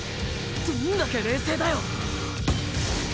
どんだけ冷静だよ！